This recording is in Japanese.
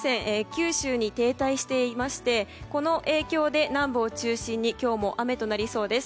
九州に停滞していましてこの影響で、南部を中心に今日も雨となりそうです。